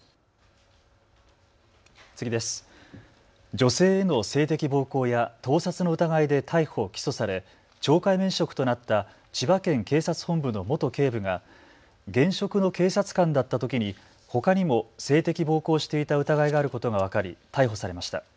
女性への性的暴行や盗撮の疑いで逮捕・起訴され懲戒免職となった千葉県警察本部の元警部が現職の警察官だったときにほかにも性的暴行をしていた疑いがあることが分かり逮捕されました。